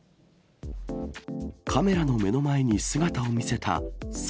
カメラの前に姿を見せた猿。